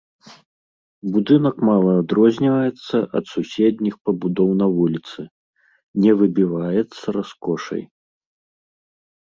Будынак мала адрозніваецца ад суседніх пабудоў на вуліцы, не выбіваецца раскошай.